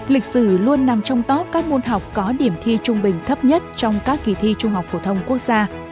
lịch sử luôn nằm trong top các môn học có điểm thi trung bình thấp nhất trong các kỳ thi trung học phổ thông quốc gia